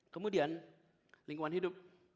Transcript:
kemudian lingkungan hidup